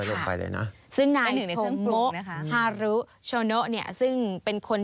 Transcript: ลงไปเลยนะซึ่งนายถอมโมฮารุโชโนะเนี่ยซึ่งเป็นคน